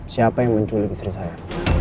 siapa yang menculik istri saya